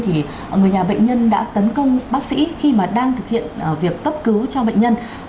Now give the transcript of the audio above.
thì người nhà bệnh nhân đã tấn công bác sĩ khi mà đang thực hiện việc cấp cứu cho bệnh nhân